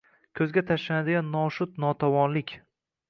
Ko‘zga tashlanadigan noshud-notavonlik.